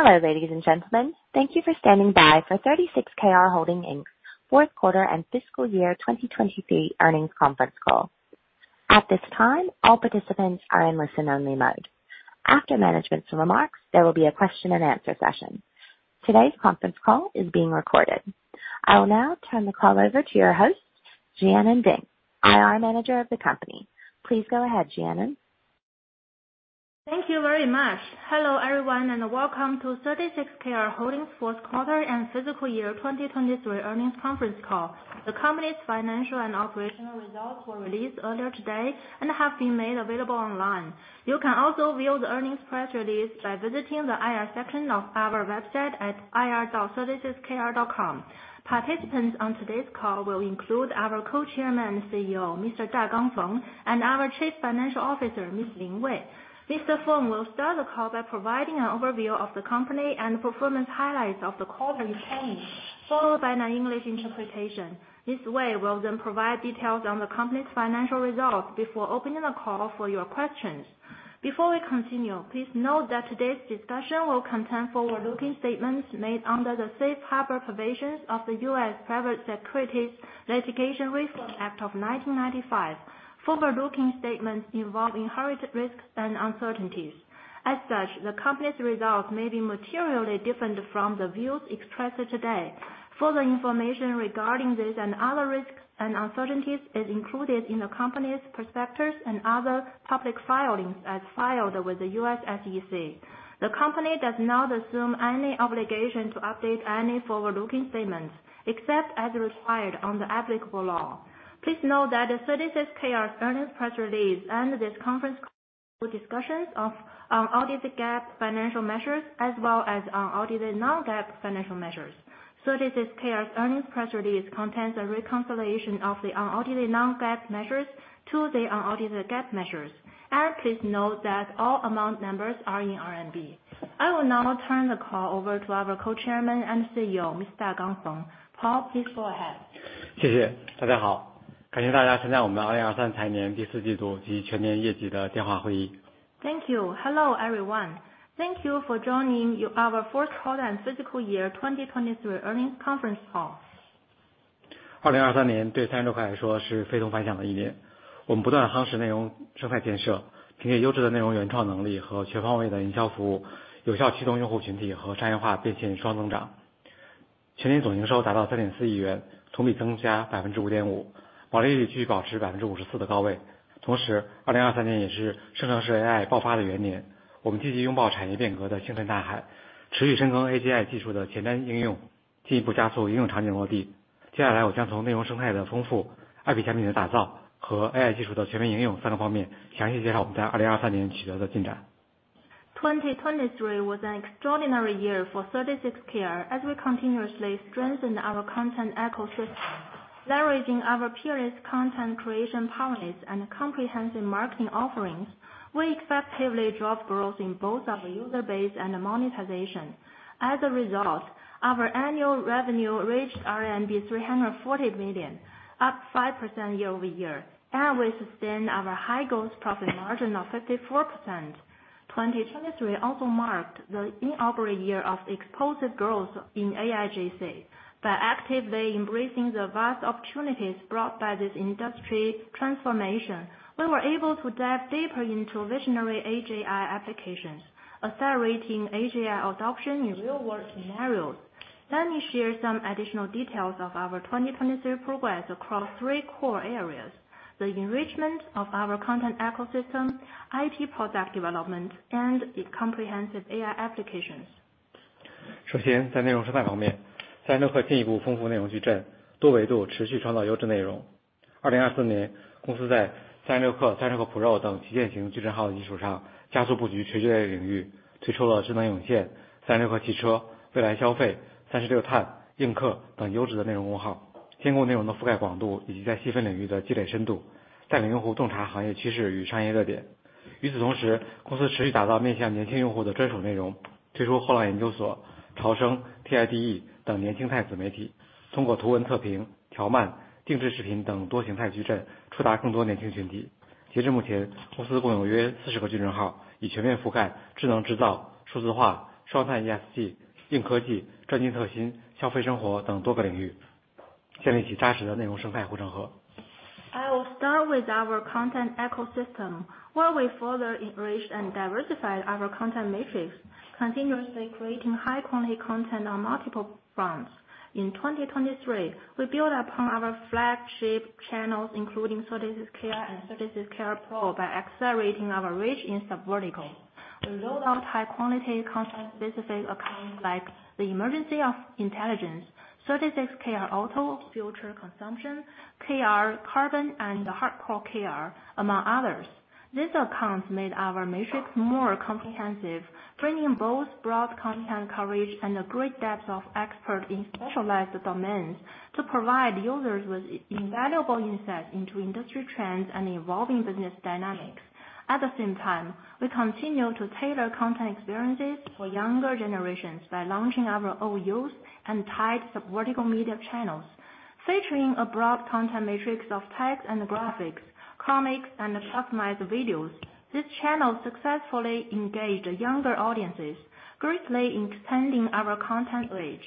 Hello, ladies and gentlemen. Thank you for standing by for 36Kr Holdings Inc.'s fourth quarter and fiscal year 2023 earnings conference call. At this time, all participants are in listen-only mode. After management's remarks, there will be a question and answer session. Today's conference call is being recorded. I will now turn the call over to your host, Jianan Bing, IR Manager of the company. Please go ahead, Jianan. Thank you very much. Hello, everyone, and welcome to 36Kr Holdings' fourth quarter and fiscal year 2023 earnings conference call. The company's financial and operational results were released earlier today and have been made available online. You can also view the earnings press release by visiting the IR section of our website at ir.36kr.com. Participants on today's call will include our Co-chairman and CEO, Mr. Dagang Feng, and our Chief Financial Officer, Ms. Ling Wei. Mr. Feng will start the call by providing an overview of the company and performance highlights of the quarter's change, followed by an English interpretation. Ms. Wei will then provide details on the company's financial results before opening the call for your questions. Before we continue, please note that today's discussion will contain forward-looking statements made under the safe harbor provisions of the U.S. Private Securities Litigation Reform Act of 1995. Forward-looking statements involve inherent risks and uncertainties. As such, the company's results may be materially different from the views expressed today. Further information regarding this and other risks and uncertainties is included in the company's prospectus and other public filings as filed with the U.S. SEC. The company does not assume any obligation to update any forward-looking statements, except as required under applicable law. Please note that 36Kr's earnings press release and this conference call will discuss audited GAAP financial measures, as well as unaudited non-GAAP financial measures. 36Kr's earnings press release contains a reconciliation of the unaudited non-GAAP measures to the unaudited GAAP measures. Please note that all amount numbers are in RMB. I will now turn the call over to our Co-chairman and CEO, Mr. Dagang Feng. Paul, please go ahead. Thank you. Hello, everyone. Thank you for joining our fourth quarter and fiscal year 2023 earnings conference call. 2023 was an extraordinary year for 36Kr as we continuously strengthened our content ecosystem. Leveraging our peerless content creation prowess and comprehensive marketing offerings, we effectively drove growth in both our user base and monetization. As a result, our annual revenue reached 340 million, up 5% year-over-year, and we sustained our high gross profit margin of 54%. 2023 also marked the inaugural year of explosive growth in AIGC. By actively embracing the vast opportunities brought by this industry transformation, we were able to dive deeper into visionary AGI applications, accelerating AGI adoption in real-world scenarios. Let me share some additional details of our 2023 progress across three core areas: the enrichment of our content ecosystem, IT product development, and its comprehensive AI applications. I will start with our content ecosystem, where we further enriched and diversified our content matrix, continuously creating high-quality content on multiple fronts. In 2023, we built upon our flagship channels, including 36Kr and 36Kr Pro, by accelerating our reach in subvertical. We rolled out high-quality content-specific accounts like The Emergence of Intelligence, 36Kr Auto, Future Consumption, 36Kr Carbon, and the Hardcore KR, among others. These accounts made our matrix more comprehensive, bringing both broad content coverage and a great depth of expert in specialized domains to provide users with invaluable insights into industry trends and evolving business dynamics. At the same time, we continue to tailor content experiences for younger generations by launching our own youth and TIDE subvertical media channels, featuring a broad content matrix of text and graphics, comics, and customized videos. This channel successfully engaged younger audiences, greatly expanding our content reach.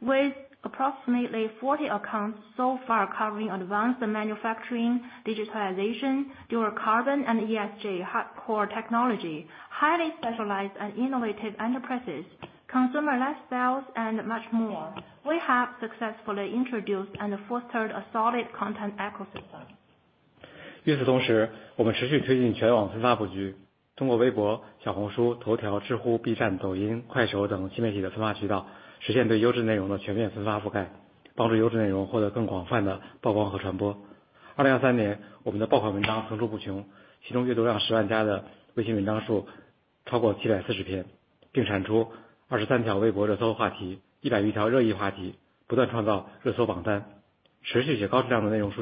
With approximately 40 accounts so far, covering advanced manufacturing, digitalization, dual carbon, and ESG hard core technology, highly specialized and innovative enterprises, consumer lifestyles, and much more. We have successfully introduced and fostered a solid content ecosystem. We also expanded our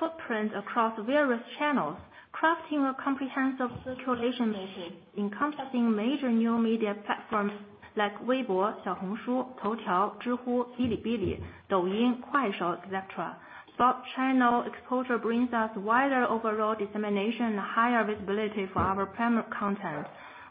footprint across various channels, crafting a comprehensive circulation machine encompassing major new media platforms like Weibo, Xiaohongshu, Toutiao, Zhihu, Bilibili, Douyin, Kuaishou, et cetera. Both channel exposure brings us wider overall dissemination and higher visibility for our primary content.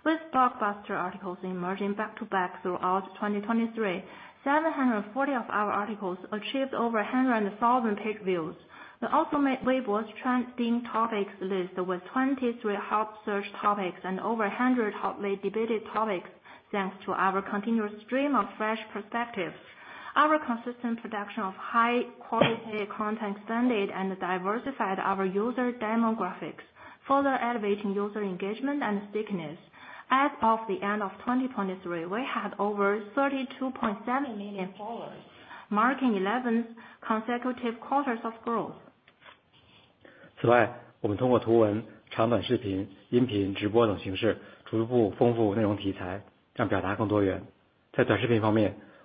With blockbuster articles emerging back to back throughout 2023, 740 of our articles achieved over 100,000 page views. We also made Weibo's trending topics list with 23 hot search topics and over 100 hotly debated topics, thanks to our continuous stream of fresh perspectives. Our consistent production of high quality content expanded and diversified our user demographics, further elevating user engagement and stickiness. As of the end of 2023, we had over 32.7 million followers, marking 11 consecutive quarters of growth.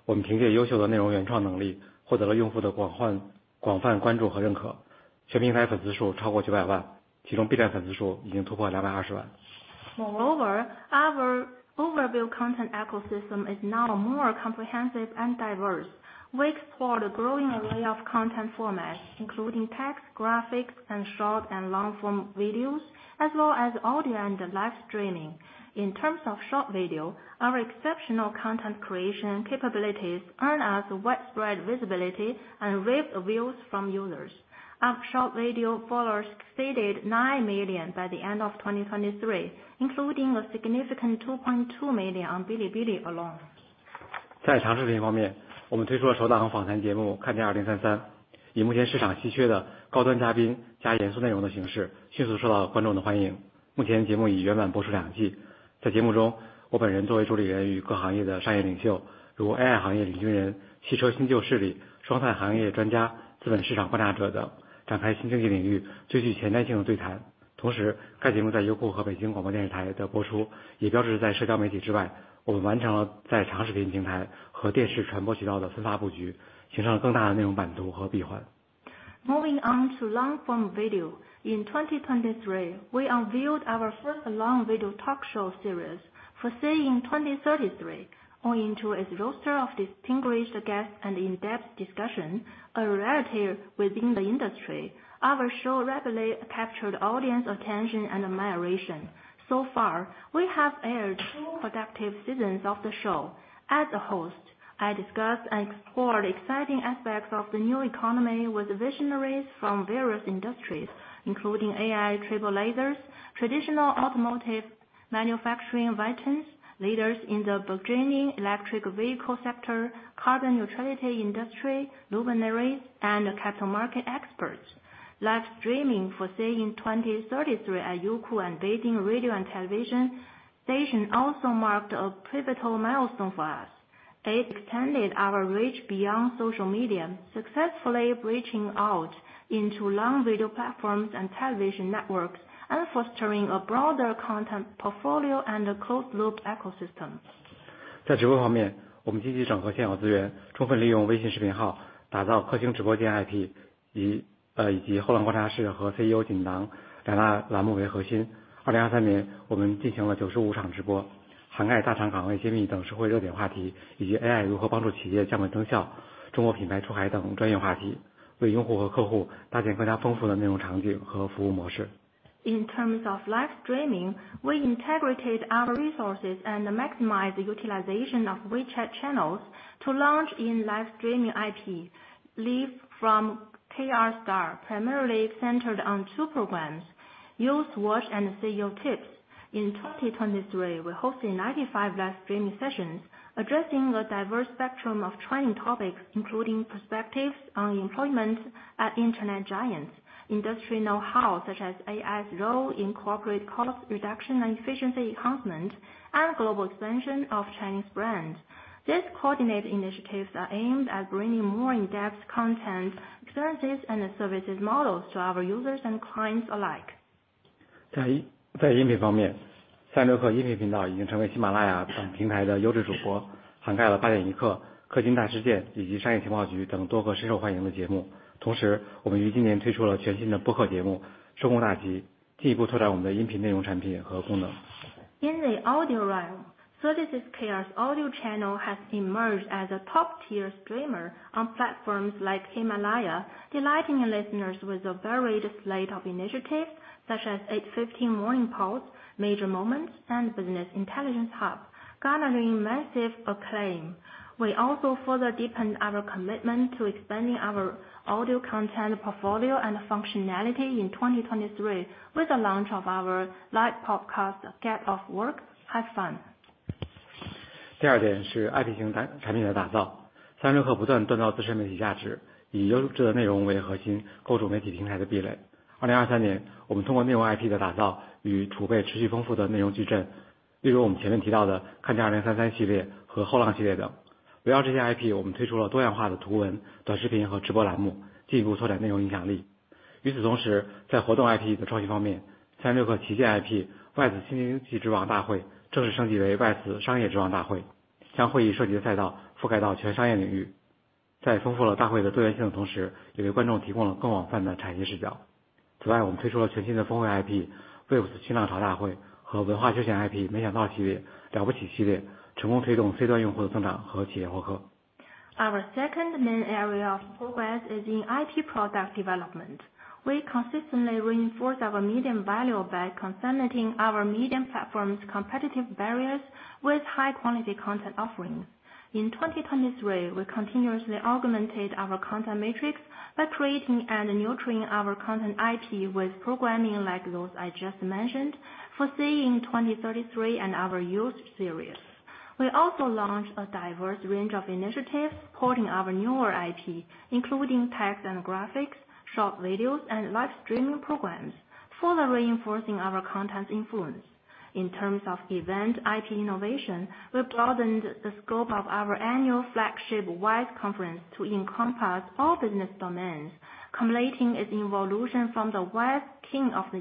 Moreover, our overview content ecosystem is now more comprehensive and diverse. We explored a growing array of content formats, including text, graphics, and short and long-form videos, as well as audio and live streaming. In terms of short video, our exceptional content creation capabilities earn us widespread visibility and rave reviews from users. Our short video followers exceeded 9 million by the end of 2023, including a significant 2.2 million on Bilibili alone. Moving on to long-form video. In 2023, we unveiled our first long video talk show series, Foreseeing 2033. Owing to its roster of distinguished guests and in-depth discussion, a rarity within the industry, our show rapidly captured audience attention and admiration. So far, we have aired 2 productive seasons of the show. As the host, I discussed and explored exciting aspects of the new economy with visionaries from various industries, including AI trailblazers, traditional automotive manufacturing veterans, leaders in the burgeoning electric vehicle sector, carbon neutrality industry luminaries, and capital market experts. Live streaming Foreseeing 2033 at Youku and Beijing Radio and Television Station also marked a pivotal milestone for us. It extended our reach beyond social media, successfully branching out into long video platforms and television networks, and fostering a broader content portfolio and a closed-loop ecosystem. In terms of live streaming, we integrated our resources and maximize the utilization of WeChat Channels to launch in live streaming IP live from KRStar, primarily centered on two programs, Youth Watch and CEO Tips. In 2023, we hosted 95 live streaming sessions, addressing a diverse spectrum of trending topics, including perspectives on employment at internet giants, industry know-how, such as AI's role in corporate cost reduction and efficiency enhancement, and global expansion of Chinese brands. These coordinated initiatives are aimed at bringing more in-depth content, services, and services models to our users and clients alike. In the audio realm, 36Kr's audio channel has emerged as a top-tier streamer on platforms like Ximalaya, delighting listeners with a varied slate of initiatives such as Eight Fifteen Morning Pulse, Major Moments, and Business Intelligence Hub, garnering massive acclaim. We also further deepened our commitment to expanding our audio content portfolio and functionality in 2023 with the launch of our light podcast, Get Off Work, Have Fun! Our second main area of progress is in IP product development. We consistently reinforce our medium value by consolidating our medium platform's competitive barriers with high quality content offerings. In 2023, we continuously augmented our content matrix by creating and nurturing our content IP with programming like those I just mentioned, Foreseeing 2033 and our Youth Series. We also launched a diverse range of initiatives supporting our newer IP, including text and graphics, short videos, and live streaming programs, further reinforcing our content influence. In terms of event IP innovation, we broadened the scope of our annual flagship WISE Conference to encompass all business domains, culminating its evolution from the WISE King of the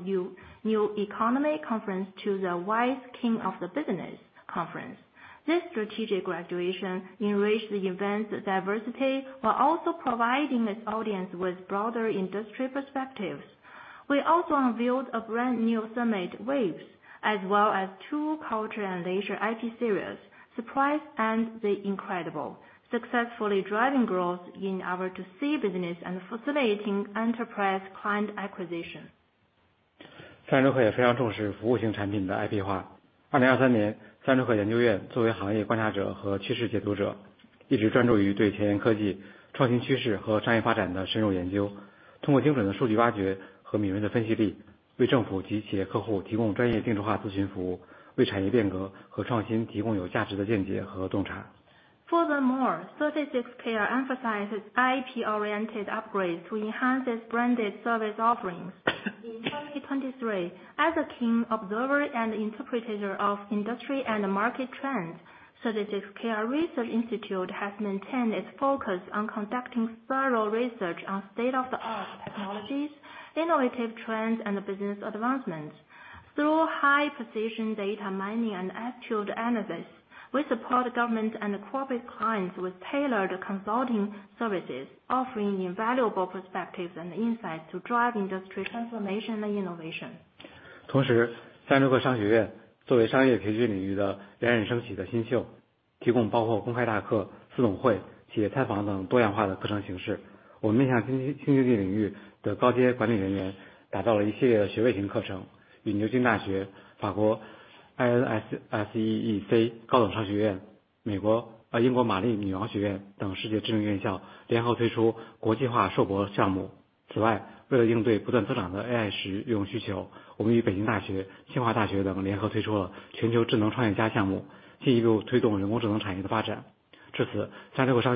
New Economy Conference to the WISE King of the Business Conference. This strategic graduation enriched the event's diversity, while also providing its audience with broader industry perspectives. We also unveiled a brand new summit, WAVES, as well as two culture and leisure IP series: Surprise and The Incredible, successfully driving growth in our To C business and facilitating enterprise client acquisition. Furthermore, 36Kr emphasizes IP-oriented upgrades to enhance its branded service offerings. In 2023, as a keen observer and interpreter of industry and market trends, 36Kr Research Institute has maintained its focus on conducting thorough research on state-of-the-art technologies, innovative trends, and business advancements. Through high precision data mining and accurate analysis, we support government and corporate clients with tailored consulting services, offering invaluable perspectives and insights to drive industry transformation and innovation. Additionally,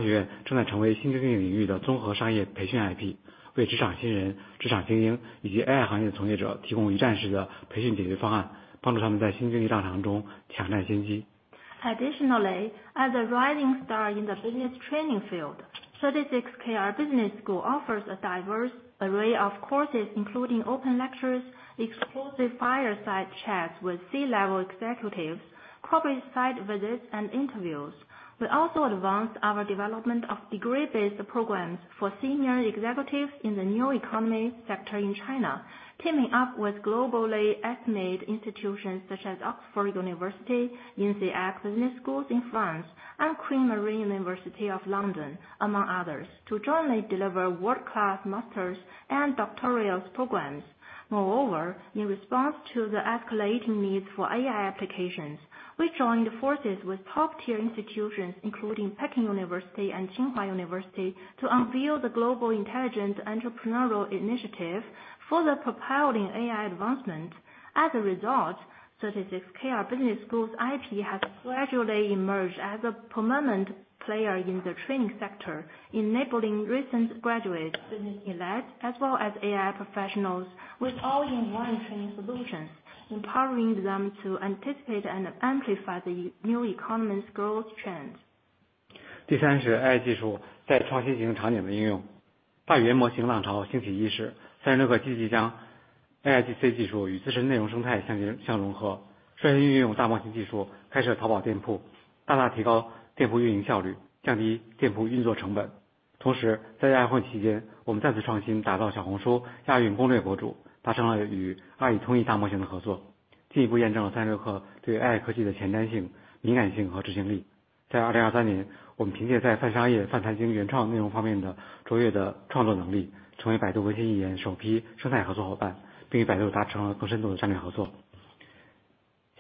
as a rising star in the business training field, 36Kr Business School offers a diverse array of courses, including open lectures, exclusive fireside chats with C-level executives, corporate site visits, and interviews. We also advanced our development of degree-based programs for senior executives in the new economy sector in China, teaming up with globally esteemed institutions such as Oxford University, INSEAD Business Schools in France, and Queen Mary University of London, among others, to jointly deliver world-class master's and doctoral programs. Moreover, in response to the escalating needs for AI applications, we joined forces with top-tier institutions, including Peking University and Tsinghua University, to unveil the Global Intelligent Entrepreneurial Initiative, further propelling AI advancement. As a result, 36Kr Business School's IP has gradually emerged as a permanent player in the training sector, enabling recent graduates, business elites, as well as AI professionals, with all-in-one training solutions, empowering them to anticipate and amplify the new economy's growth trends.。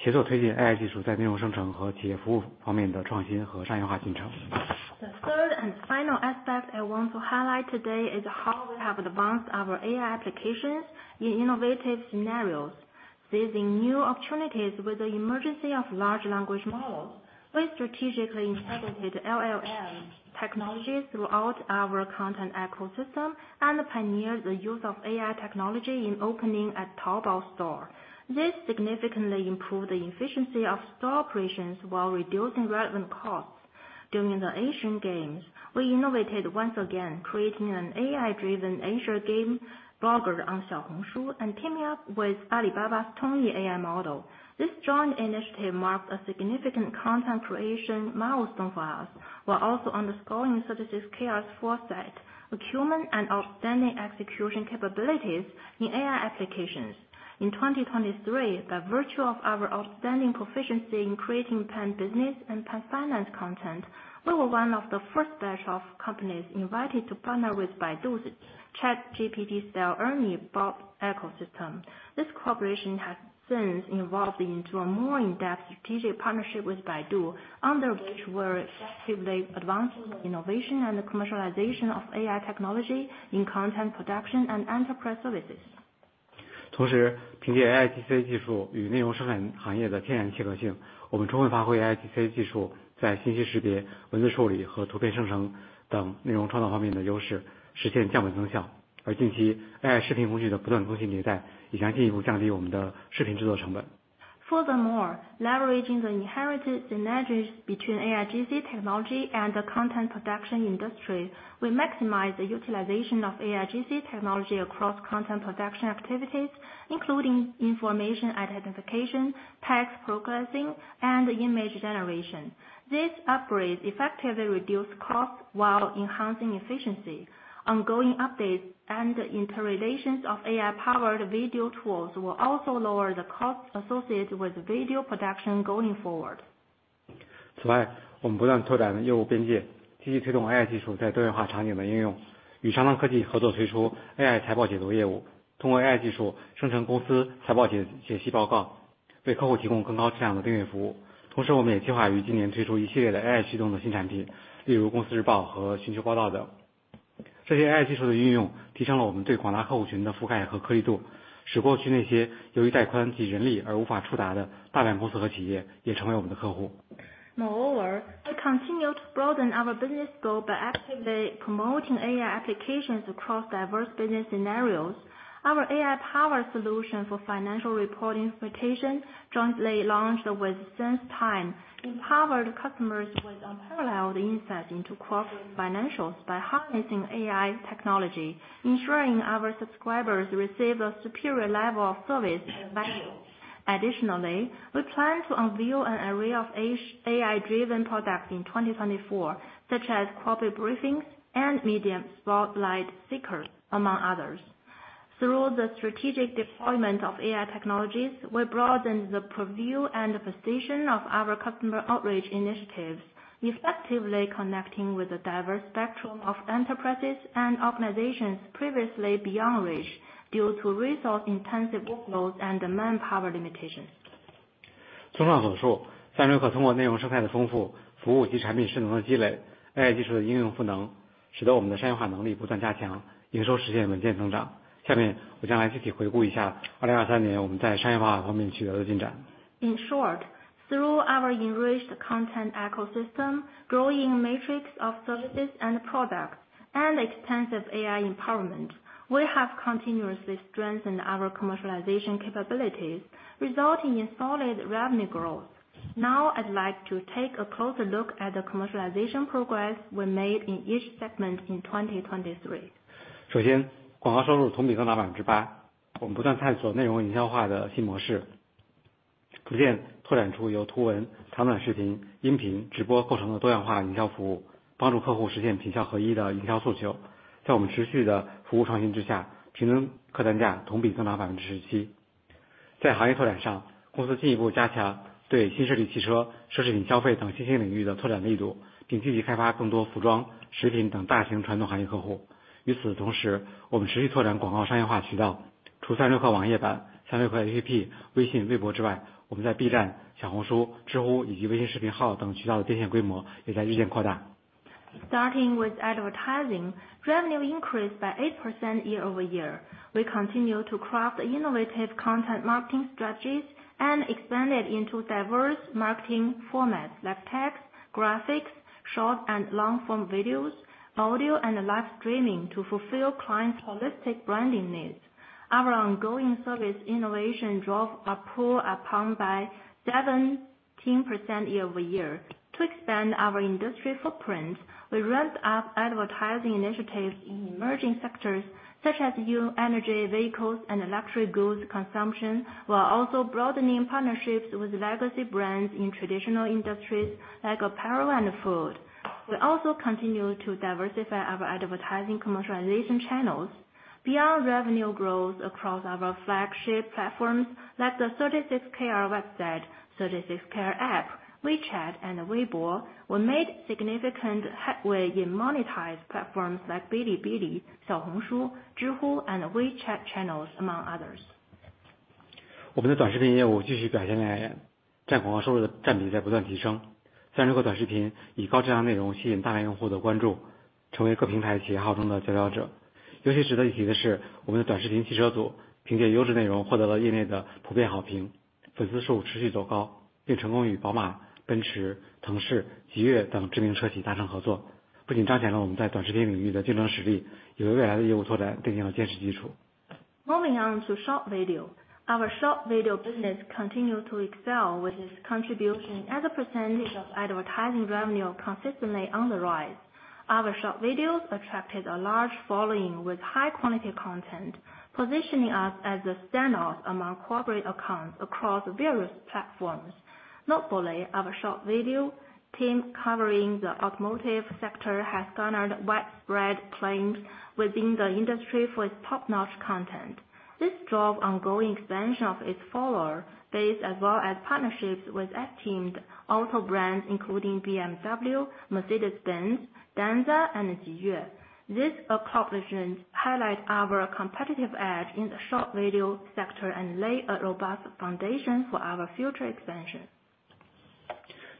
The third and final aspect I want to highlight today is how we have advanced our AI applications in innovative scenarios. Seizing new opportunities with the emergence of large language models, we strategically integrated LLM technologies throughout our content ecosystem and pioneered the use of AI technology in opening a Taobao store. This significantly improved the efficiency of store operations while reducing relevant costs. During the Asian Games, we innovated once again, creating an AI-driven Asian Game blogger on Xiaohongshu and teaming up with Alibaba's Tongyi AI model. This joint initiative marks a significant content creation milestone for us, while also underscoring 36Kr's foresight, acumen, and outstanding execution capabilities in AI applications. In 2023, by virtue of our outstanding proficiency in creating pan business and pan finance content, we were one of the first batch of companies invited to partner with Baidu's ChatGPT-style Ernie Bot ecosystem. This cooperation has since evolved into a more in-depth strategic partnership with Baidu, under which we're actively advancing the innovation and commercialization of AI technology in content production and enterprise services. Furthermore, leveraging the inherited synergies between AIGC technology and the content production industry, we maximize the utilization of AIGC technology across content production activities, including information identification, text processing, and image generation. This upgrade effectively reduce costs while enhancing efficiency. Ongoing updates and interrelations of AI-powered video tools will also lower the costs associated with video production going forward. Moreover, we continue to broaden our business scope by actively promoting AI applications across diverse business scenarios. Our AI power solution for financial reporting interpretation, jointly launched with SenseTime, empowered customers with unparalleled insight into corporate financials by harnessing AI technology, ensuring our subscribers receive a superior level of service and value. Additionally, we plan to unveil an array of AI, AI-driven products in 2024, such as corporate briefings and medium spotlight seekers, among others. Through the strategic deployment of AI technologies, we broaden the purview and the precision of our customer outreach initiatives, effectively connecting with a diverse spectrum of enterprises and organizations previously beyond reach due to resource-intensive workloads and manpower limitations. In short, through our enriched content ecosystem, growing matrix of services and products, and extensive AI empowerment, we have continuously strengthened our commercialization capabilities, resulting in solid revenue growth. Now, I'd like to take a closer look at the commercialization progress we made in each segment in 2023. Starting with advertising, revenue increased by 8% year-over-year. We continue to craft innovative content marketing strategies and expand it into diverse marketing formats like text, graphics, short and long-form videos, audio, and live streaming to fulfill clients' holistic branding needs. Our ongoing service innovation drove our pool up by 17% year-over-year. To expand our industry footprint, we ramped up advertising initiatives in emerging sectors such as new energy vehicles and luxury goods consumption, while also broadening partnerships with legacy brands in traditional industries like apparel and food. We also continue to diversify our advertising commercialization channels. Beyond revenue growth across our flagship platforms, like the 36Kr website, 36Kr App, WeChat, and Weibo, we made significant headway in monetized platforms like Bilibili, Xiaohongshu, Zhihu, and WeChat Channels, among others.《speaking in Mandarin » Moving on to short video. Our short video business continued to excel, with its contribution as a percentage of advertising revenue consistently on the rise. Our short videos attracted a large following with high quality content, positioning us as a standout among corporate accounts across various platforms. Notably, our short video team covering the automotive sector has garnered widespread acclaim within the industry for its top-notch content. This drove ongoing expansion of its follower base, as well as partnerships with esteemed auto brands, including BMW, Mercedes-Benz, DENZA, and JIYUE. This accomplishment highlights our competitive edge in the short video sector and lays a robust foundation for our future expansion.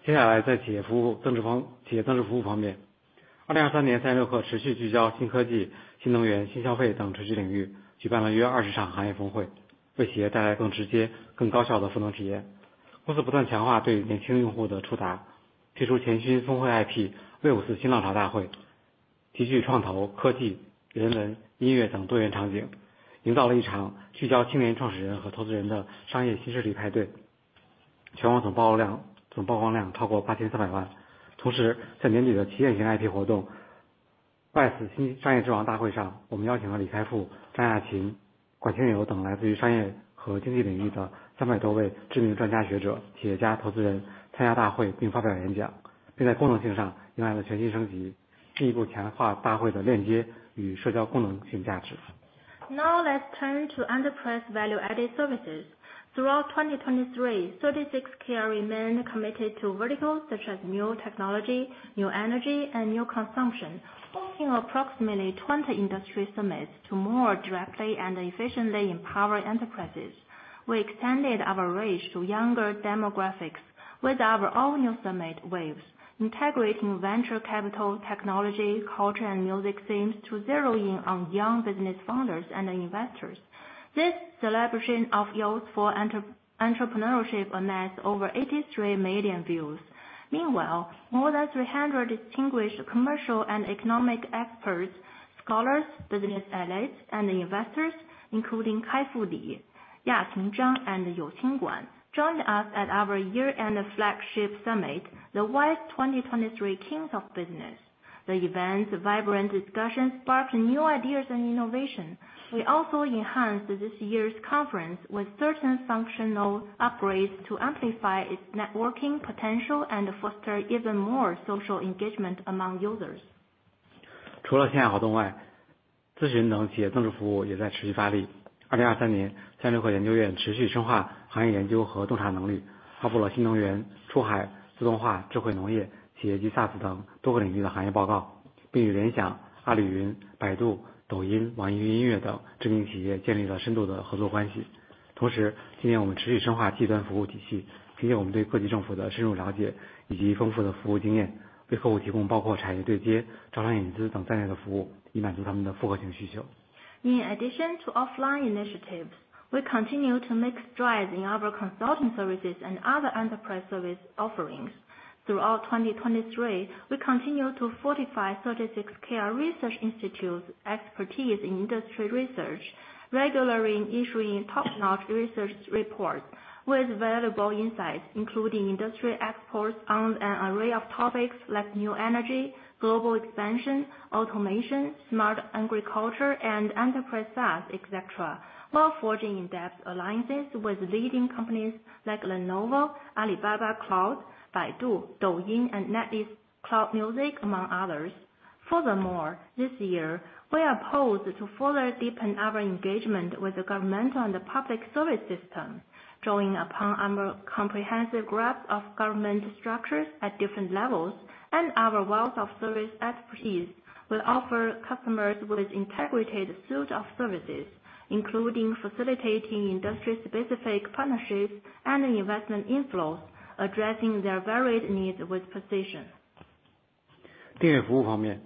《speaking in Mandarin » Now let's turn to enterprise value-added services. Throughout 2023, 36Kr remained committed to verticals such as new technology, new energy, and new consumption, hosting approximately 20 industry summits to more directly and efficiently empower enterprises. We extended our reach to younger demographics with our all-new summit WAVES, integrating venture capital, technology, culture and music scenes to zero in on young business founders and investors. This celebration of youthful entrepreneurship amassed over 83 million views. Meanwhile, more than 300 distinguished commercial and economic experts, scholars, business elites, and investors, including Kaifu Lee, Yaqing Zhang, and Youqing Guan, joined us at our year-end flagship summit, the WISE 2023 King of Business. The event's vibrant discussions sparked new ideas and innovation. We also enhanced this year's conference with certain functional upgrades to amplify its networking potential and foster even more social engagement among users.《speaking in Mandarin » In addition to offline initiatives, we continue to make strides in our consulting services and other enterprise service offerings. Throughout 2023, we continued to fortify 36Kr Research Institute's expertise in industry research, regularly issuing top-notch research reports with valuable insights, including industry experts on an array of topics like new energy, global expansion, automation, smart agriculture, and enterprise SaaS, et cetera, while forging in-depth alliances with leading companies like Lenovo, Alibaba Cloud, Baidu, Douyin, and NetEase Cloud Music, among others. Furthermore, this year, we are poised to further deepen our engagement with the government on the public service system. Drawing upon our comprehensive grasp of government structures at different levels and our wealth of service expertise, we'll offer customers with integrated suite of services, including facilitating industry-specific partnerships and investment inflows, addressing their varied needs with precision.《speaking in Mandarin »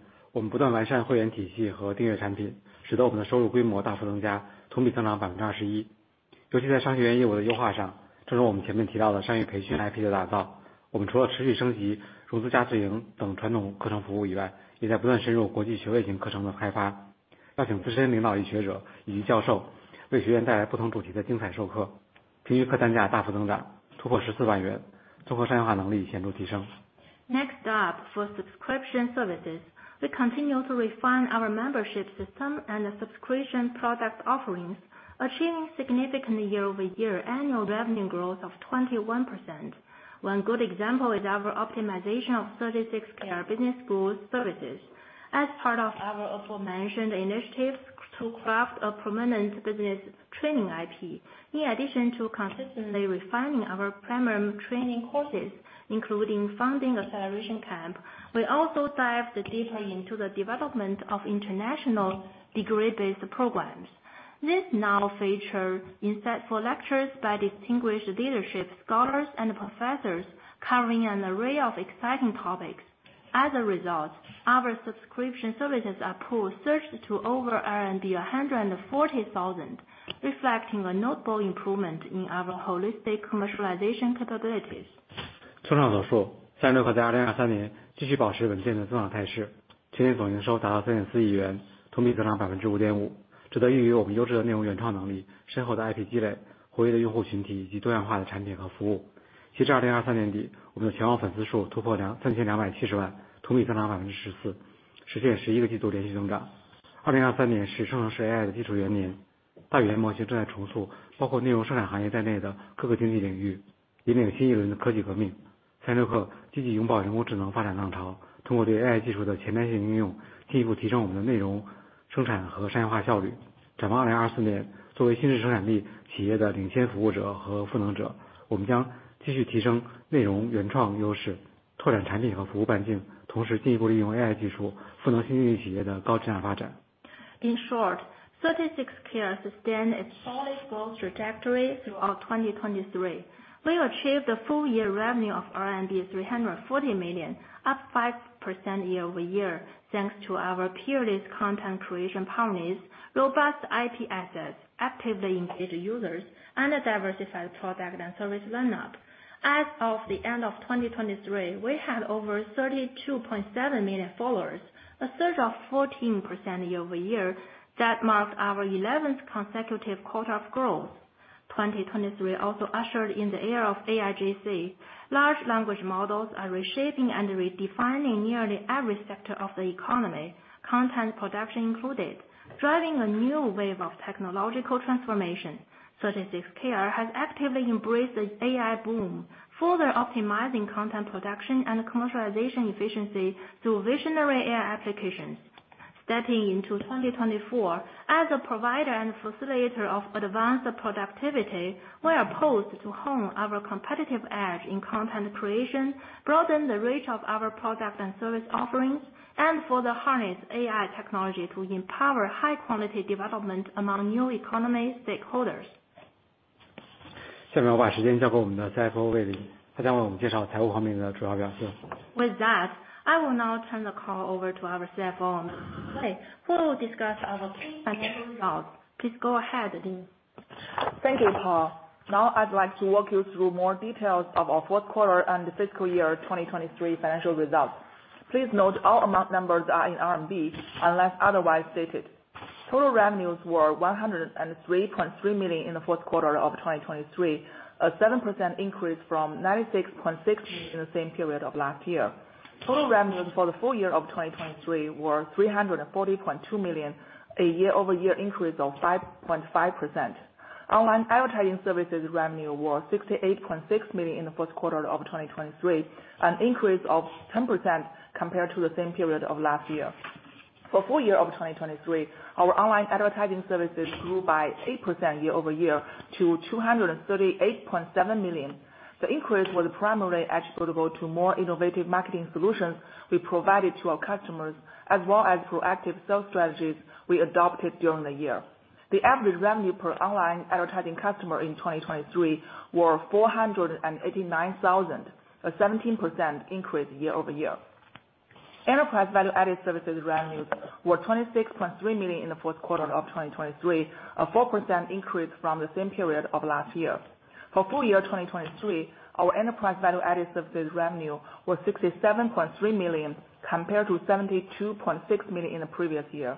Next up, for subscription services, we continue to refine our membership system and the subscription product offerings, achieving significant year-over-year annual revenue growth of 21%. One good example is our optimization of 36Kr Business School services. As part of our aforementioned initiatives to craft a permanent business training IP, in addition to consistently refining our premium training courses, including founding acceleration camp, we also dived deeply into the development of international degree-based programs. This now features insightful lectures by distinguished leadership scholars and professors, covering an array of exciting topics. As a result, our subscription services overall surged to over 140,000, reflecting a notable improvement in our holistic commercialization capabilities. In short, 36Kr sustained a solid growth trajectory throughout 2023. We achieved a full year revenue of 340 million, up 5% year-over-year, thanks to our peerless content creation partners, robust IP assets, actively engaged users, and a diversified product and service lineup. As of the end of 2023, we had over 32.7 million followers, a surge of 14% year-over-year, that marked our eleventh consecutive quarter of growth. 2023 also ushered in the era of AIGC. Large language models are reshaping and redefining nearly every sector of the economy, content production included, driving a new wave of technological transformation. 36Kr has actively embraced the AI boom, further optimizing content production and commercialization efficiency through visionary AI applications. Stepping into 2024, as a provider and facilitator of advanced productivity, we are poised to hone our competitive edge in content creation, broaden the reach of our product and service offerings, and further harness AI technology to empower high quality development among New Economy stakeholders. Next, I will hand the time over to our CFO Lin Wei, who will introduce to us the main performance in the financial aspects. With that, I will now turn the call over to our CFO, Wei, who will discuss our financial results. Please go ahead, Wei. Thank you, Paul. Now, I'd like to walk you through more details of our fourth quarter and fiscal year 2023 financial results. Please note, all amount numbers are in RMB, unless otherwise stated. Total revenues were 103.3 million in the fourth quarter of 2023, a 7% increase from 96.6 million in the same period of last year. Total revenues for the full year of 2023 were 340.2 million, a year-over-year increase of 5.5%. Online advertising services revenue was 68.6 million in the first quarter of 2023, an increase of 10% compared to the same period of last year. For full year of 2023, our online advertising services grew by 8% year-over-year to 238.7 million. The increase was primarily attributable to more innovative marketing solutions we provided to our customers, as well as proactive sales strategies we adopted during the year. The average revenue per online advertising customer in 2023 were 489,000, a 17% increase year-over-year. Enterprise value-added services revenues were 26.3 million in the fourth quarter of 2023, a 4% increase from the same period of last year. For full year 2023, our enterprise value-added services revenue was 67.3 million, compared to 72.6 million in the previous year.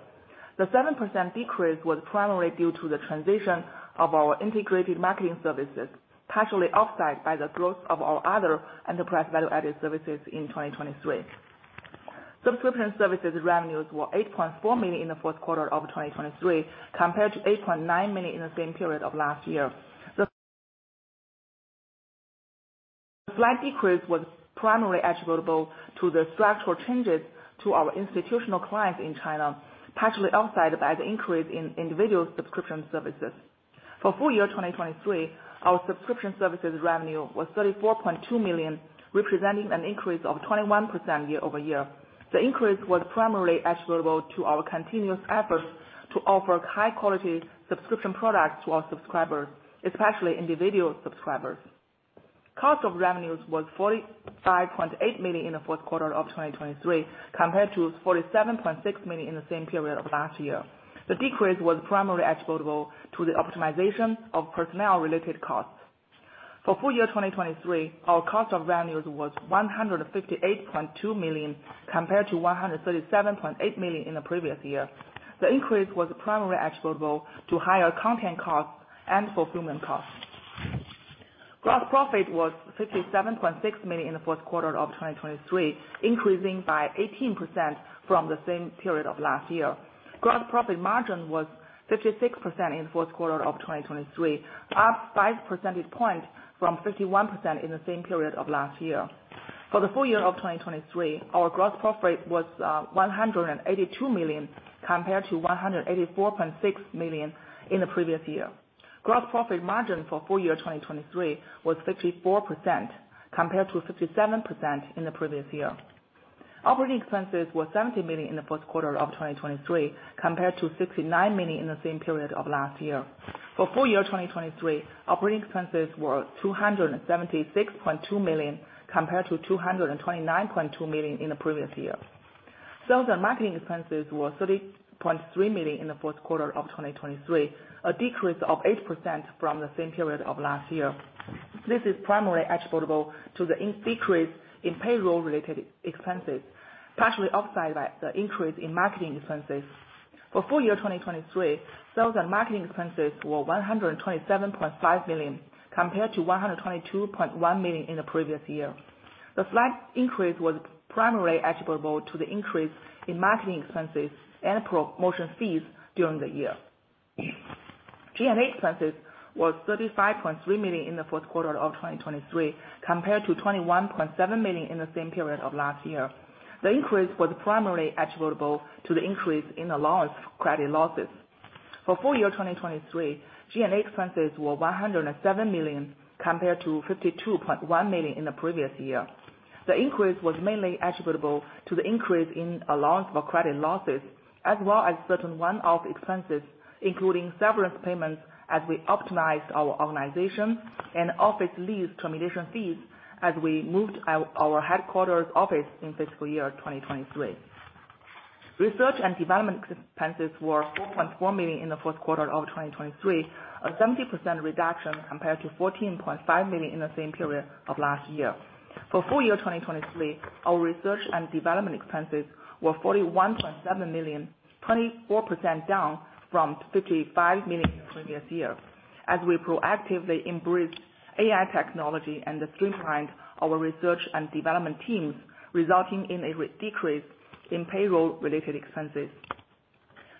The 7% decrease was primarily due to the transition of our integrated marketing services, partially offset by the growth of our other enterprise value-added services in 2023. Subscription services revenues were 8.4 million in the fourth quarter of 2023, compared to 8.9 million in the same period of last year. The slight decrease was primarily attributable to the structural changes to our institutional clients in China, partially offset by the increase in individual subscription services. For full year 2023, our subscription services revenue was 34.2 million, representing an increase of 21% year-over-year. The increase was primarily attributable to our continuous efforts to offer high quality subscription products to our subscribers, especially individual subscribers. Cost of revenues was 45.8 million in the fourth quarter of 2023, compared to 47.6 million in the same period of last year. The decrease was primarily attributable to the optimization of personnel-related costs. For full year 2023, our cost of revenues was 158.2 million, compared to 137.8 million in the previous year. The increase was primarily attributable to higher content costs and fulfillment costs. Gross profit was 57.6 million in the fourth quarter of 2023, increasing by 18% from the same period of last year. Gross profit margin was 56% in the fourth quarter of 2023, up 5 percentage points from 51% in the same period of last year. For the full year of 2023, our gross profit was 182 million, compared to 184.6 million in the previous year. Gross profit margin for full year 2023 was 54%, compared to 57% in the previous year. Operating expenses were 70 million in the first quarter of 2023, compared to 69 million in the same period of last year. For full year 2023, operating expenses were 276.2 million, compared to 229.2 million in the previous year. Sales and marketing expenses were 30.3 million in the fourth quarter of 2023, a decrease of 8% from the same period of last year. This is primarily attributable to the decrease in payroll-related expenses, partially offset by the increase in marketing expenses. For full year 2023, sales and marketing expenses were 127.5 million, compared to 122.1 million in the previous year. The slight increase was primarily attributable to the increase in marketing expenses and promotion fees during the year. G&A expenses was 35.3 million in the fourth quarter of 2023, compared to 21.7 million in the same period of last year. The increase was primarily attributable to the increase in allowance for credit losses. For full year 2023, G&A expenses were 107 million, compared to 52.1 million in the previous year. The increase was mainly attributable to the increase in allowance for credit losses, as well as certain one-off expenses, including severance payments, as we optimized our organization and office lease termination fees, as we moved our headquarters office in fiscal year 2023. Research and development expenses were 4.4 million in the fourth quarter of 2023, a 70% reduction compared to 14.5 million in the same period of last year. For full year 2023, our research and development expenses were 41.7 million, 24% down from 55 million the previous year, as we proactively embraced AI technology and streamlined our research and development teams, resulting in a decrease in payroll-related expenses.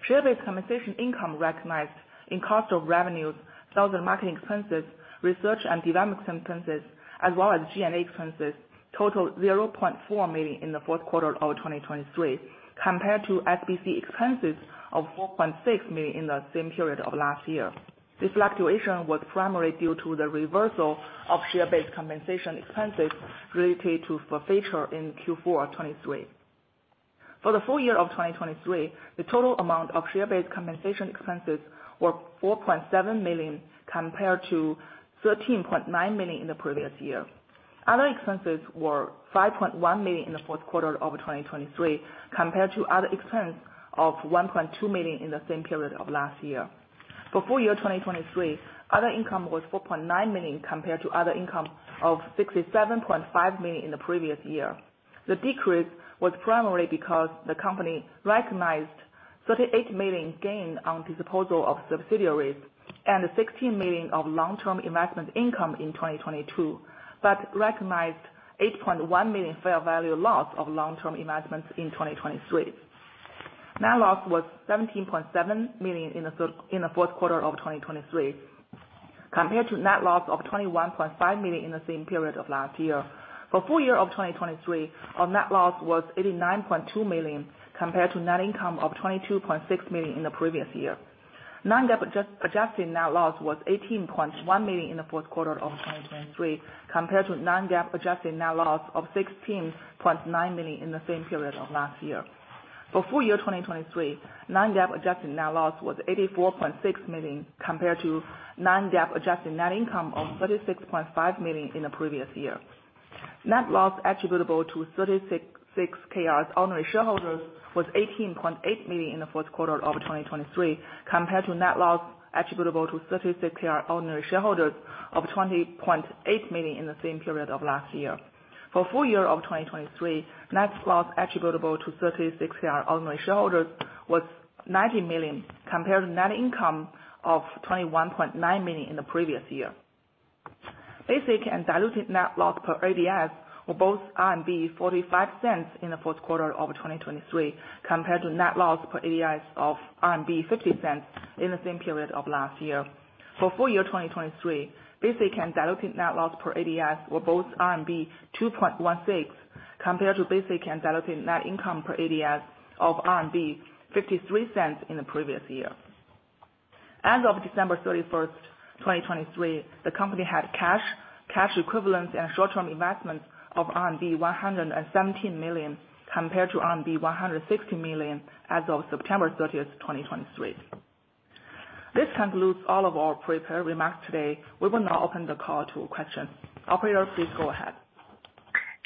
Share-based compensation income recognized in cost of revenues, sales and marketing expenses, research and development expenses, as well as G&A expenses, totaled 0.4 million in the fourth quarter of 2023, compared to SBC expenses of 4.6 million in the same period of last year. This fluctuation was primarily due to the reversal of share-based compensation expenses related to forfeiture in Q4 2023. For the full year of 2023, the total amount of share-based compensation expenses were 4.7 million, compared to 13.9 million in the previous year. Other expenses were 5.1 million in the fourth quarter of 2023, compared to other expense of 1.2 million in the same period of last year. For full year 2023, other income was 4.9 million, compared to other income of 67.5 million in the previous year. The decrease was primarily because the company recognized 38 million gain on disposal of subsidiaries and 16 million of long-term investment income in 2022, but recognized 8.1 million fair value loss of long-term investments in 2023. Net loss was 17.7 million in the fourth quarter of 2023, compared to net loss of 21.5 million in the same period of last year. For full year of 2023, our net loss was 89.2 million, compared to net income of 22.6 million in the previous year. Non-GAAP adjusted net loss was 18.1 million in the fourth quarter of 2023, compared to non-GAAP adjusted net loss of 16.9 million in the same period of last year. For full year 2023, non-GAAP adjusted net loss was 84.6 million, compared to non-GAAP adjusted net income of 36.5 million in the previous year. Net loss attributable to 36Kr's ordinary shareholders was 18.8 million in the fourth quarter of 2023, compared to net loss attributable to 36Kr ordinary shareholders of 20.8 million in the same period of last year. For full year of 2023, net loss attributable to 36Kr ordinary shareholders was 90 million, compared to net income of 21.9 million in the previous year. Basic and diluted net loss per ADS were both 0.45 in the fourth quarter of 2023, compared to net loss per ADS of 0.50 in the same period of last year. For full year 2023, basic and diluted net loss per ADS were both RMB 2.16, compared to basic and diluted net income per ADS of 0.53 in the previous year. As of December 31, 2023, the company had cash, cash equivalents and short-term investments of RMB 117 million, compared to RMB 160 million as of September 30, 2023. ...This concludes all of our prepared remarks today. We will now open the call to questions. Operator, please go ahead.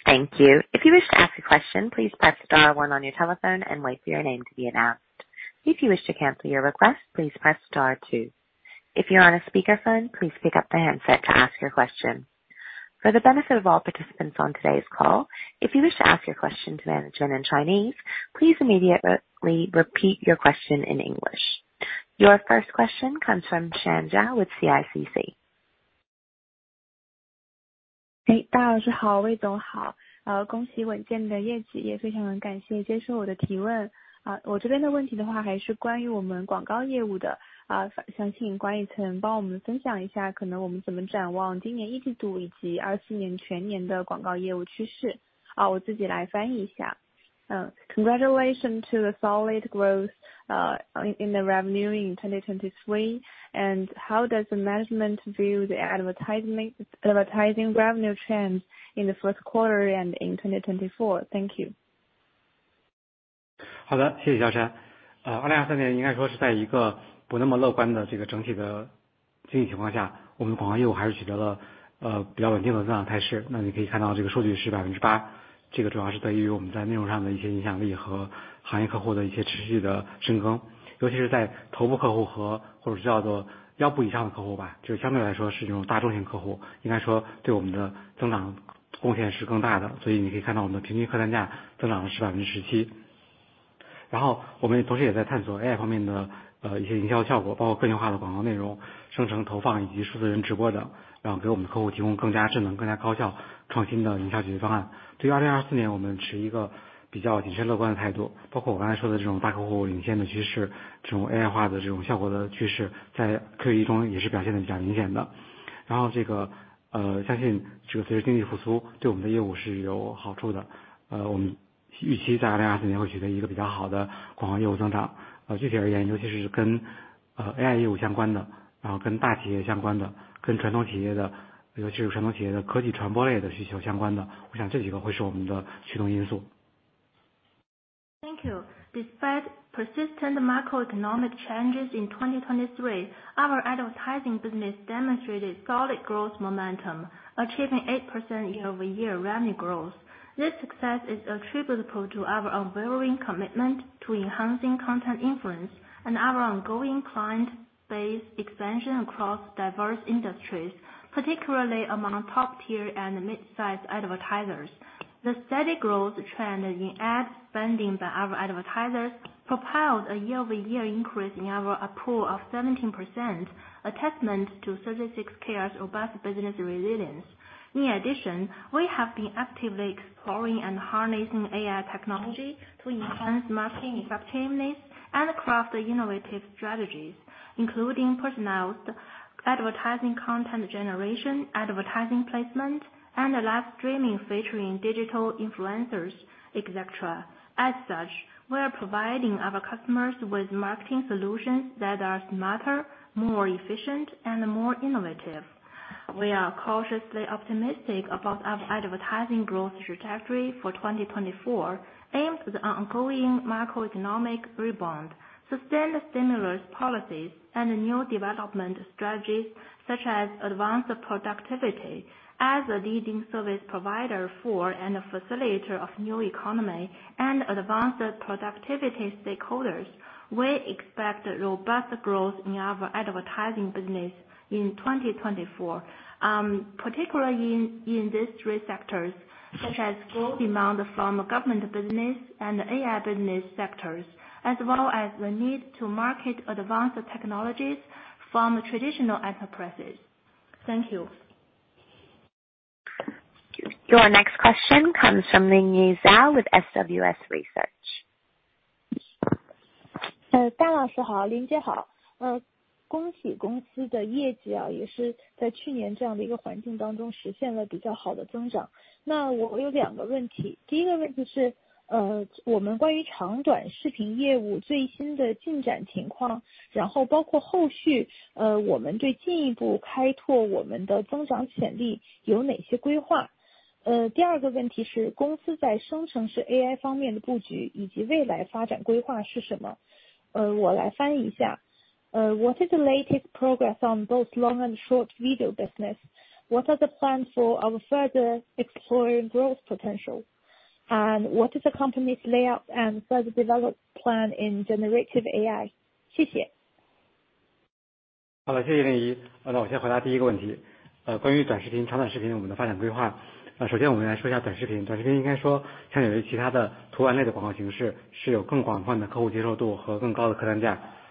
Thank you. If you wish to ask a question, please press star one on your telephone and wait for your name to be announced. If you wish to cancel your request, please press star two. If you're on a speakerphone, please pick up the handset to ask your question. For the benefit of all participants on today's call, if you wish to ask your question to management in Chinese, please immediately repeat your question in English. Your first question comes from Shan Zhao with CICC. 哎，大家好，魏总好，恭喜稳健的业绩，也非常感谢接受我的提问。我这边的问题的话，还是关于我们广告业务的，想请管理层帮我们分享一下，我们怎么展望今年一季度以及2024年全年的广告业务趋势。好，我自己来翻译一下。Congratulations to the solid growth in the revenue in 2023, and how does the management view the advertising revenue trends in the first quarter and in 2024? Thank you. Thank you. Despite persistent macroeconomic changes in 2023, our advertising business demonstrated solid growth momentum, achieving 8% year-over-year revenue growth. This success is attributable to our unwavering commitment to enhancing content influence and our ongoing client base expansion across diverse industries, particularly among top-tier and mid-sized advertisers. The steady growth trend in ad spending by our advertisers propelled a year-over-year increase in our approval of 17%, a testament to 36Kr's robust business resilience. In addition, we have been actively exploring and harnessing AI technology to enhance marketing effectiveness and craft innovative strategies, including personalized advertising, content generation, advertising placement, and live streaming featuring digital influencers, etc. As such, we are providing our customers with marketing solutions that are smarter, more efficient, and more innovative. We are cautiously optimistic about our advertising growth trajectory for 2024, aimed at the ongoing macroeconomic rebound, sustained stimulus policies, and new development strategies such as advanced productivity. As a leading service provider for, and a facilitator of new economy and advanced productivity stakeholders, we expect robust growth in our advertising business in 2024, particularly in these three sectors, such as growth demand from government business and AI business sectors, as well as the need to market advanced technologies from traditional enterprises. Thank you. Your next question comes from Linyu Zhao with SWS Research. 戴老师好，林姐好。恭喜公司的业绩啊，也是在去年这样的一个环境当中实现了比较好的增长。那我有两个问题，第一个问题是，我们关于长短视频业务最新的进展情况，然后包括后续，我们对进一步开拓我们的增长潜力有哪些规划？第二个问题是公司在生成式AI方面的布局以及未来发展规划是什么？我来翻译一下。What is the latest progress on both long and short video business? What are the plans for our further exploring growth potential? And what is the company's layout and further development plan in generative AI? 谢谢。好的，谢谢凌伟。那我先回答第一个问题，关于短视频，长短视频我们的发展规划。首先我们来说一下短视频，短视频应该说相对于其他的图文类的广告形式，是有更广泛的客户接受度和更高的客单价。然后自从我们3年前推出短视频业务以来，短视频业务在我们广告收入中的占比在不断的提高，那么到2023年已经达到了这个数千万的，数千万元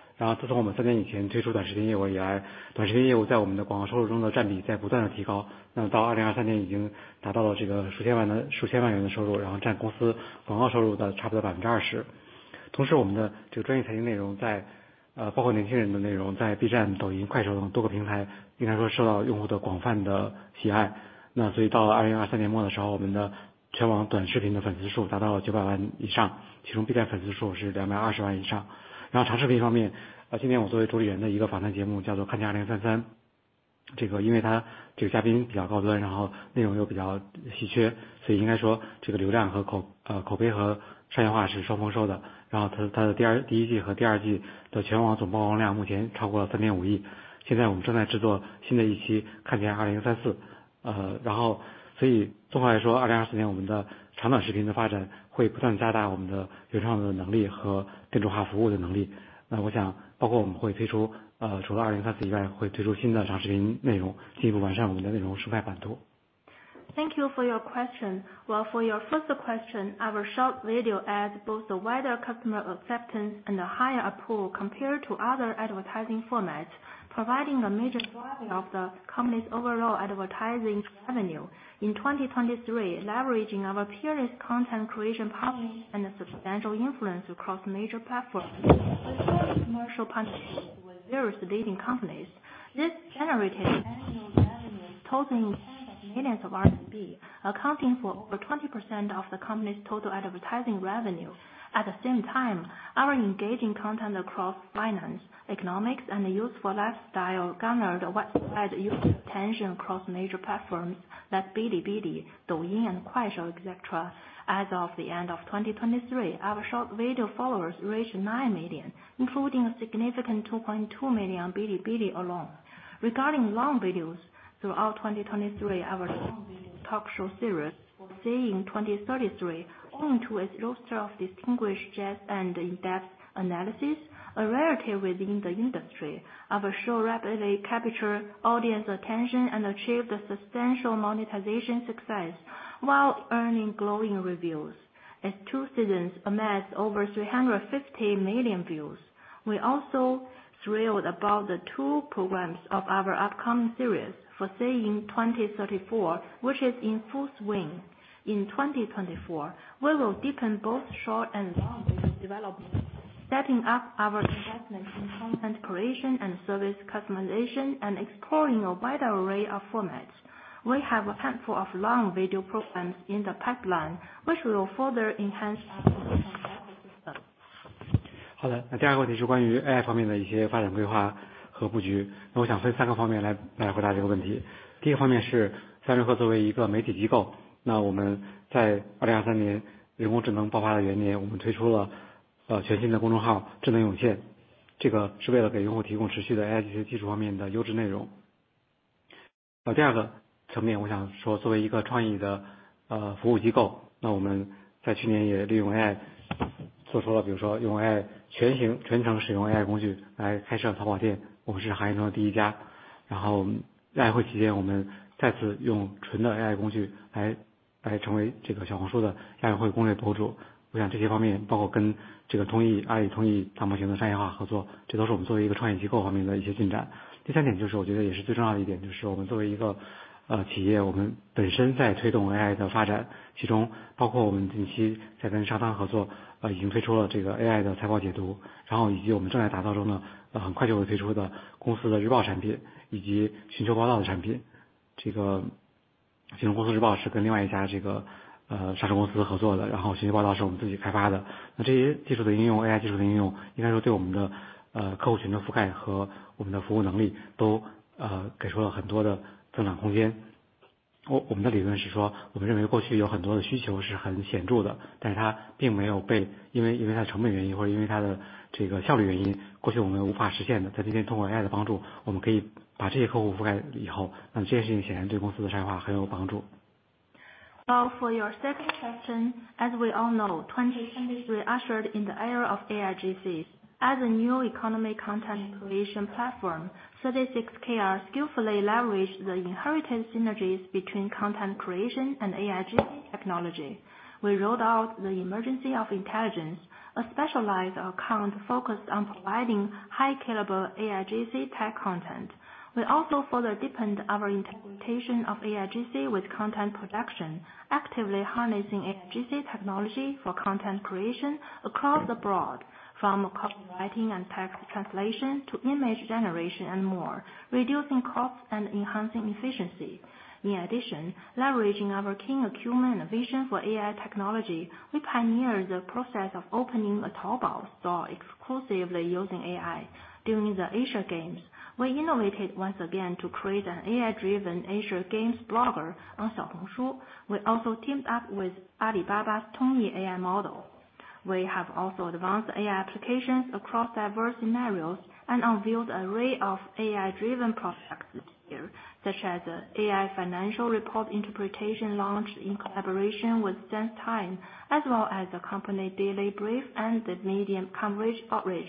Thank you for your question. Well, for your first question, our short video ads both a wider customer acceptance and a higher approval compared to other advertising formats, providing a major driver of the company's overall advertising revenue. In 2023, leveraging our peerless content creation power and a substantial influence across major platforms, commercial partnerships with various leading companies. This generated annual revenue totaling tens of millions CNY, accounting for over 20% of the company's total advertising revenue. At the same time, our engaging content across finance, economics and useful lifestyle garnered a widespread user attention across major platforms that Bilibili, Douyin, and Kuaishou etc. As of the end of 2023, our short video followers reached 9 million, including a significant 2.2 million on Bilibili alone. Regarding long videos, throughout 2023, our long video talk show series, Foreseeing 2033, owing to its roster of distinguished guests and in-depth analysis, a rarity within the industry, our show rapidly captured audience attention and achieved a substantial monetization success, while earning glowing reviews, as two seasons amassed over 350 million views. We are also thrilled about the two programs of our upcoming series, Foreseeing 2034, which is in full swing. In 2024, we will deepen both short and long video development, stepping up our investment in content creation and service customization, and exploring a wider array of formats. We have a handful of long video programs in the pipeline, which will further enhance our ecosystem. Well, for your second question, as we all know, 2023 ushered in the era of AIGC. As a new economy content creation platform, 36Kr skillfully leveraged the inherited synergies between content creation and AIGC technology. We rolled out the Emergence of Intelligence, a specialized account focused on providing high caliber AIGC tech content. We also further deepened our interpretation of AIGC with content production, actively harnessing AIGC technology for content creation across the board, from copywriting and text translation to image generation and more, reducing costs and enhancing efficiency. In addition, leveraging our keen acumen and vision for AI technology, we pioneered the process of opening a Taobao store exclusively using AI. During the Asian Games, we innovated once again to create an AI-driven Asian Games blogger on Xiaohongshu. We also teamed up with Alibaba's Tongyi AI model. We have also advanced AI applications across diverse scenarios and unveiled an array of AI-driven prospects this year, such as AI financial report interpretation launched in collaboration with SenseTime, as well as the company Daily Brief and the Medium Coverage Outreach.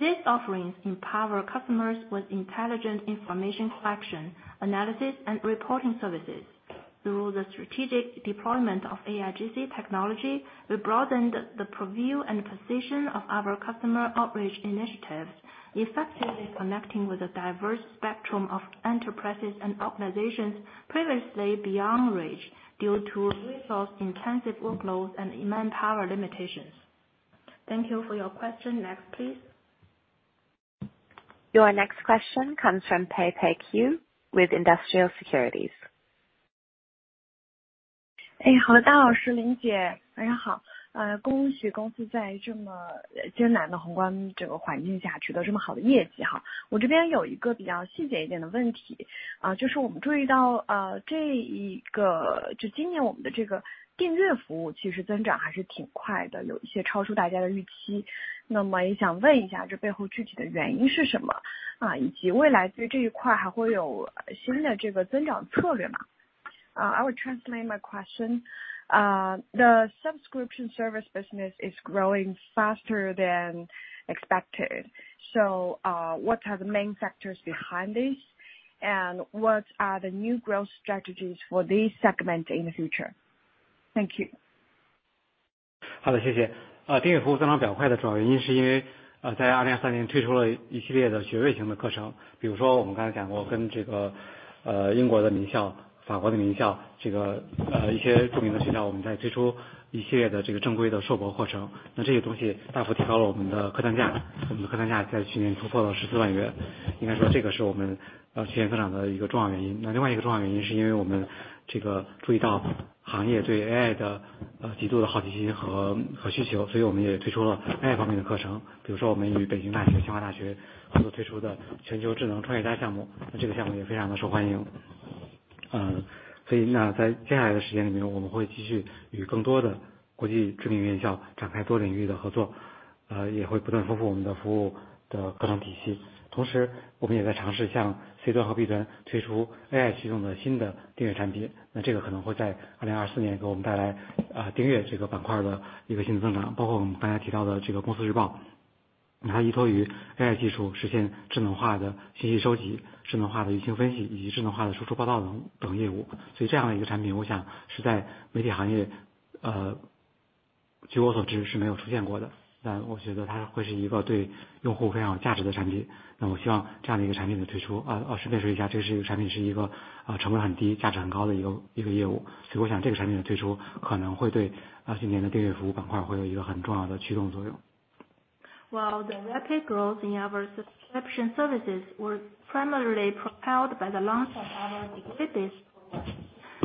These offerings empower customers with intelligent information collection, analysis, and reporting services. Through the strategic deployment of AIGC technology, we broadened the purview and precision of our customer outreach initiatives, effectively connecting with a diverse spectrum of enterprises and organizations previously beyond reach due to resource-intensive workloads and manpower limitations. Thank you for your question. Next, please. Your next question comes from Peipei Qu with Industrial Securities.... 好的，大老师，林姐，晚上好！恭喜公司在这么艰难的宏观整个环境取得这么好的业绩。我这边有一个比较细节一点的问题，就是我们注意到，今年我们的这个订阅服务其实增长还是挺快的，有一些超出大家的预期。那么也想问一下这背后具体的原因是什么？以及未来对这一块还会有新的这个增长策略吗？ I will translate my question, the subscription service business is growing faster than expected. What are the main factors behind this? What are the new growth strategies for this segment in the future? Thank you. 好的，谢谢。订阅服务增长比较快的主要原因是，因为，在2023年推出了一系列的学位型的课程，比如说我们刚才讲过，跟这个，英国的名校，法国的名校，这个，一些著名的学校，我们在推出了一系列的这个正规的硕博课程，那这些东西大幅提高了我们的课程价格，我们的课程价格在去年突破了 CNY 14 万，应该说这个是我们，去年增长的一个重要原因。那另外一个重要原因是 因为我们这个注意到行业对 AI 的，极度的好奇心和需求，所以我们也推出了 AI 方面的课程，比如说我们与北京大学、清华大学合作推出的全球智能企业家项目，那这个项目也非常的受欢迎。所以呢，在接下来的时间里面，我们会继续与更多的国际知名院校开展多领域的合作，也会不断丰富我们的服务的课程体系。同时，我们也在尝试向 C 端和 B 端推出 AI 驱动的新的订阅产品，那这个可能会在2024年给我们带来，订阅这个板块的一个新的增长，包括我们刚才提到的这个公司日报，它依托于 AI 技术实现智能化的信息收集，智能化的舆情分析，以及智能化的输出报道等业务。所以这样的一个产品，我想是在媒体行业，据我所知是没有出现过的，但我觉得它会是一个对用户非常有价值的产品，那我希望这样的一个产品的推出，顺便说一下，这是一个产品，是一个，成本很低，价值很高的一个业务，所以我想这个产品的推出可能会对，今年的订阅服务板块会有一个很重要的驱动作用。Well, the rapid growth in our subscription services were primarily propelled by the launch of our degree-based,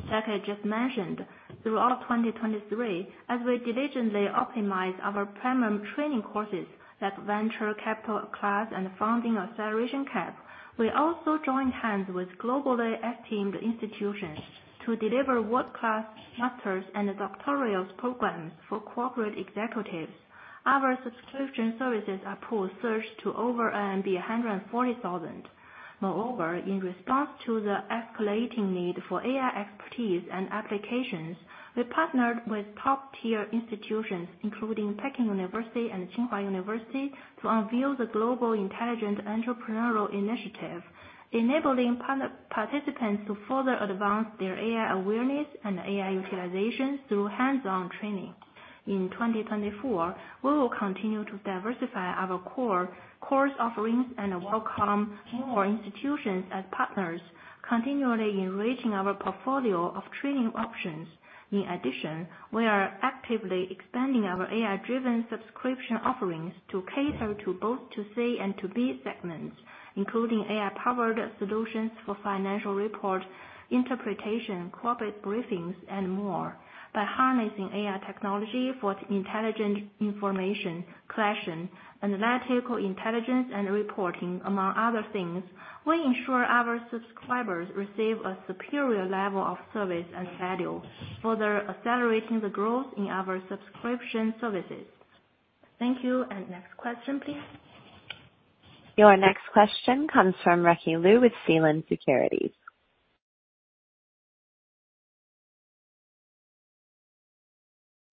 like I just mentioned, throughout 2023, as we diligently optimize our premium training courses like venture capital class and founding acceleration camp. We also joined hands with globally esteemed institutions to deliver world-class master's and doctoral programs for corporate executives. Our subscription services are pulled searched to over 140,000. Moreover, in response to the escalating need for AI expertise and applications, we partnered with top-tier institutions, including Peking University and Tsinghua University, to unveil the Global Intelligent Entrepreneurial Initiative, enabling participants to further advance their AI awareness and AI utilization through hands-on training. In 2024, we will continue to diversify our core course offerings and welcome more institutions as partners, continually enriching our portfolio of training options. In addition, we are actively expanding our AI-driven subscription offerings to cater to both to C and to B segments, including AI-powered solutions for financial report interpretation, corporate briefings, and more. By harnessing AI technology for intelligent information collection, analytical intelligence, and reporting, among other things, we ensure our subscribers receive a superior level of service and value, further accelerating the growth in our subscription services. Thank you, and next question, please. Your next question comes from Ricky Lu with Sealand Securities.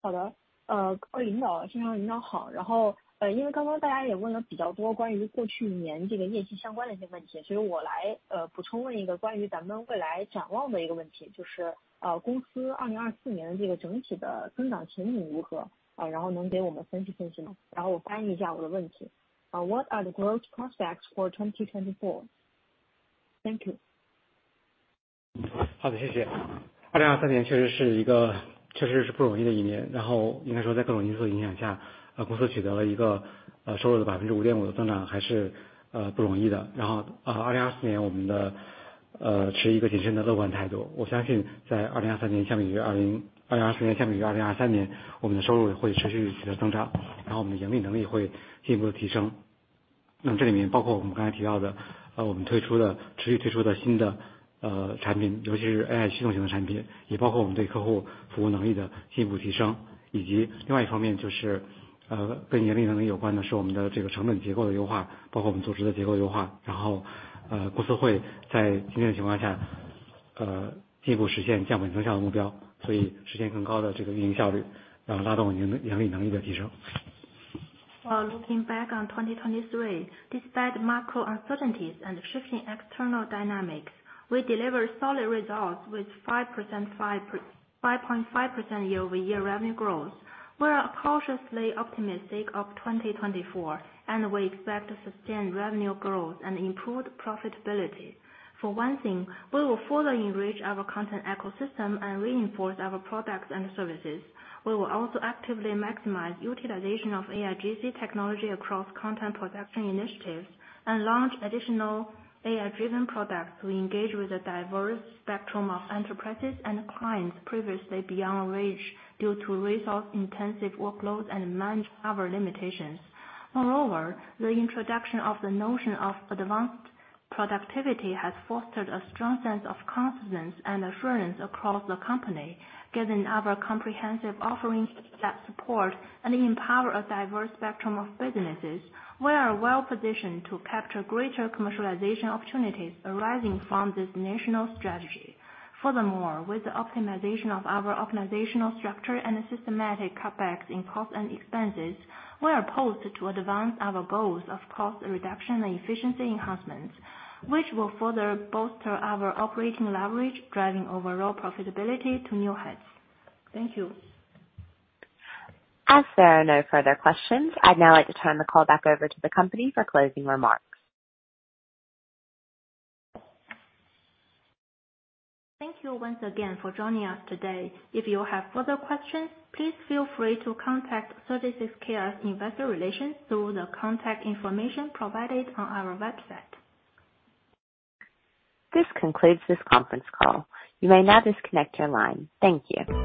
好的，各位领导，现场的领导好，然后，因为刚刚大家也问了比较多关于过去一年这个业绩相关的一些问题，所以我来，补充问一个关于咱们未来展望的一个问题，就是，公司2024年这个整体的增长前景如何？然后能给我们分析分析吗？然后我翻译一下我的问题，what are the growth prospects for 2024? Thank you. Well, looking back on 2023, despite macro uncertainties and shifting external dynamics, we delivered solid results with 5.5% year-over-year revenue growth. We are cautiously optimistic of 2024, and we expect to sustain revenue growth and improved profitability. For one thing, we will further enrich our content ecosystem and reinforce our products and services. We will also actively maximize utilization of AIGC technology across content production initiatives and launch additional AI-driven products to engage with a diverse spectrum of enterprises and clients previously beyond reach due to resource intensive workloads and manpower limitations. Moreover, the introduction of the notion of advanced productivity has fostered a strong sense of confidence and assurance across the company. Given our comprehensive offerings that support and empower a diverse spectrum of businesses, we are well positioned to capture greater commercialization opportunities arising from this national strategy. Furthermore, with the optimization of our organizational structure and systematic cutbacks in costs and expenses, we are poised to advance our goals of cost reduction and efficiency enhancements, which will further bolster our operating leverage, driving overall profitability to new heights. Thank you. As there are no further questions, I'd now like to turn the call back over to the company for closing remarks. Thank you once again for joining us today. If you have further questions, please feel free to contact 36Kr's Investor Relations through the contact information provided on our website. This concludes this conference call. You may now disconnect your line. Thank you.